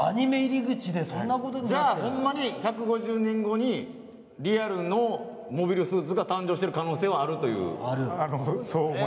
ほんまに１５０年後にリアルのモビルスーツが誕生している可能性があるという。